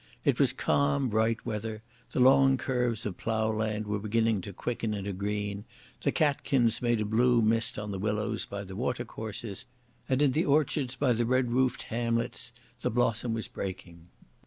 It was calm, bright weather, the long curves of ploughland were beginning to quicken into green, the catkins made a blue mist on the willows by the watercourses, and in the orchards by the red roofed hamlets the blossom was breaking.